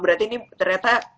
berarti ini ternyata